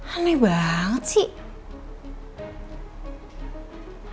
aneh banget sih